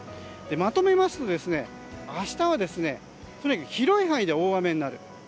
まとめますと明日は広い範囲で大雨になる。